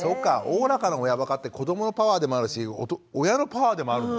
おおらかな親ばかって子どものパワーでもあるし親のパワーでもあるんだね。